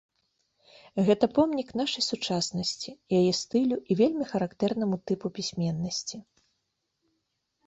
Гэта помнік нашай сучаснасці, яе стылю і вельмі характэрнаму тыпу пісьменнасці.